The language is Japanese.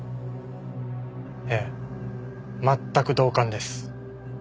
ええ全く同感です。